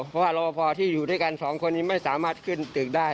เพราะว่ารอบพอที่อยู่ด้วยกันสองคนนี้ไม่สามารถขึ้นตึกได้